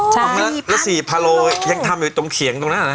แล้ว๔๐๐๐กิโลยังทำอยู่ตรงเขียงตรงหน้านะ